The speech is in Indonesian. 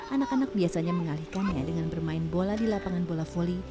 anak anak biasanya mengalihkannya dengan bermain bola di lapangan bola volley